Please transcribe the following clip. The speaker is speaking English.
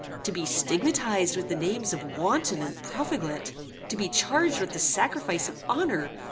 To be stigmatized with the names of wanton and profligate! To be charged with the sacrifice of honor!